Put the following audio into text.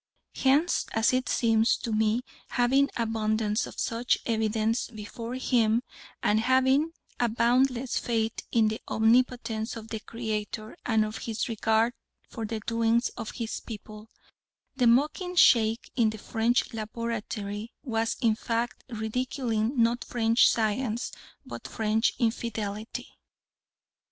Whence, as it seems to me, having abundance of such evidence before him, and having a boundless faith in the omnipotence of the Creator and of His regard for the doings of His people, the mocking Sheikh in the French laboratory was in fact ridiculing not French science but French infidelity.